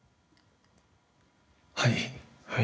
はい。